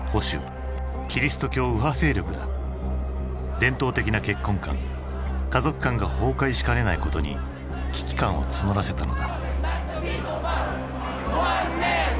伝統的な結婚観家族観が崩壊しかねないことに危機感を募らせたのだ。